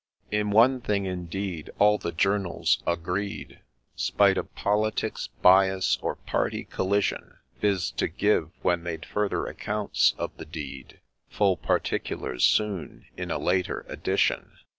In one thing, indeed, all the journals agreed, Spite of ' politics,' ' bias,' or ' party collision ;' Viz. : to ' give,' when they'd ' further accounts ' of the deed, ' Full particulars ' soon, in ' a later Edition.'